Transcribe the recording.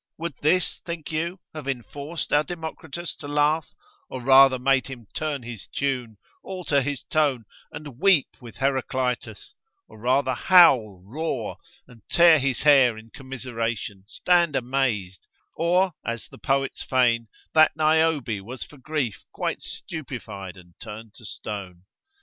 Would this, think you, have enforced our Democritus to laughter, or rather made him turn his tune, alter his tone, and weep with Heraclitus, or rather howl, roar, and tear his hair in commiseration, stand amazed; or as the poets feign, that Niobe was for grief quite stupefied, and turned to a stone?